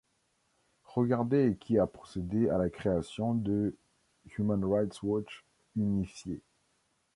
Regardez qui a procédé à la création de Human Rights Watch unifié.